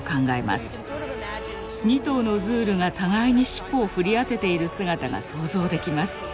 ２頭のズールが互いに尻尾を振り当てている姿が想像できます。